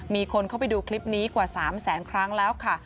มีคนเข้าไปดูคลิปนี้กว่า๓แสนครั้งแล้วค่ะ